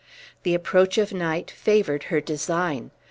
The approach of night favored her design.